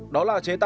đó là chế tải xử lý